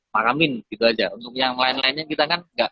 makamin gitu aja untuk yang lain lainnya kita kan enggak